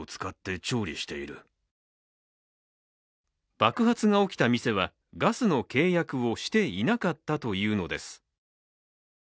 爆発が起きた店はガスの契約をしていなかったというのです。